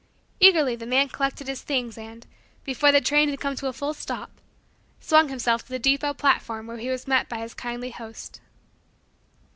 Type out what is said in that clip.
Eagerly the man collected his things and, before the train had come to a full stop, swung himself to the depot platform where he was met by his kindly host.